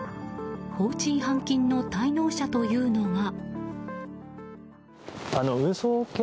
放置違反金の滞納者というのが。